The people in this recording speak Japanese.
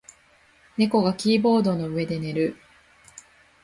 猫がキーボードの上で寝る。